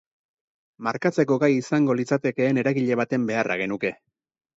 Markatzeko gai izango litzatekeen eragile baten beharra genuke.